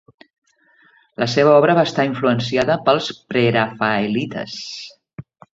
La seva obra va estar influenciada pels prerafaelites.